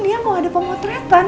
dia mau ada pemotretan